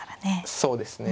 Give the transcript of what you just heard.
そうですね。